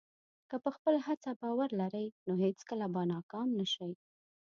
که په خپله هڅه باور لرې، نو هېڅکله به ناکام نه شې.